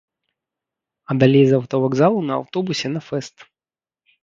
А далей з аўтавакзалу на аўтобусе на фэст.